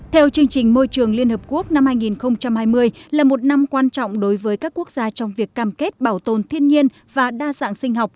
theo chương trình môi trường liên hợp quốc năm hai nghìn hai mươi là một năm quan trọng đối với các quốc gia trong việc cam kết bảo tồn thiên nhiên và đa dạng sinh học